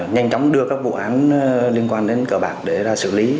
nhanh chóng đưa các vụ án liên quan đến cờ bạc để ra xử lý